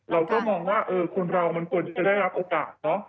เราก็มองว่าคนเรามันควรจะได้รับโอกาสเนอะ